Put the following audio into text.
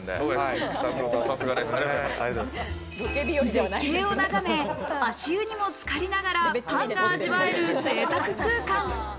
絶景を眺め、足湯にもつかりながら、パンが味わえる、ぜいたく空間。